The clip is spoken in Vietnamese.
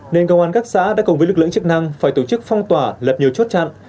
nên công an các xã đã cùng với lực lượng chức năng phải tổ chức phong tỏa lập nhiều chốt chặn